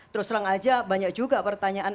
terus terang aja banyak juga pertanyaan